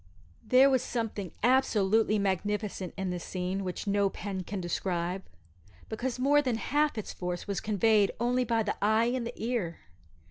There was something absolutely magnificent in this scene which no pen can describe, because more than half its force was conveyed only by the eye and the ear.